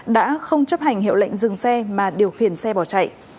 đã không chấp hành hiệu lệnh dừng xe mà điều khiển xe bỏ chạy